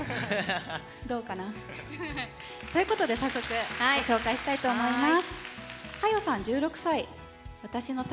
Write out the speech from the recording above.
どうかな。ということで早速ご紹介したいと思います。